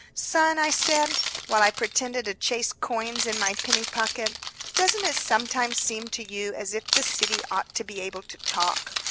"Son," I said, while I pretended to chase coins in my penny pocket, "doesn't it sometimes seem to you as if the city ought to be able to talk?